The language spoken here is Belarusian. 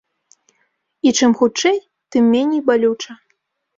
І чым хутчэй, тым меней балюча.